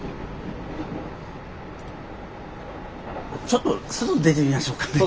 ちょっと外に出てみましょうかね。